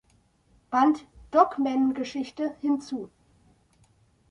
Band "Dogmengeschichte" hinzu.